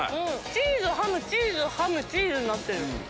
チーズハムチーズハムチーズになってる。